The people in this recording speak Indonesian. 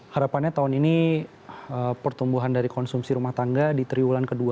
harapannya tahun ini pertumbuhan dari konsumsi rumah tangga di triwulan kedua